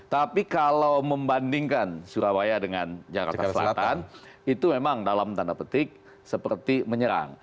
tapi kalau membandingkan surabaya dengan jakarta selatan itu memang dalam tanda petik seperti menyerang